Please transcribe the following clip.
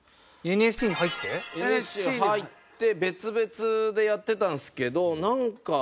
ＮＳＣに入って別々でやってたんですけどなんか。